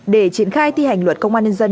để triển khai thi hành luật công an nhân dân